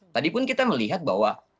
tadi pun kita melihat bahwa